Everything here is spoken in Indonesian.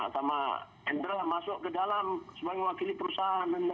sama hendra masuk ke dalam sebagai wakili perusahaan ya tahu